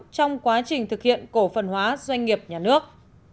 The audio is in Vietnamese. trong quá trình thực hiện cổ phần hóa doanh nghiệp nhà nước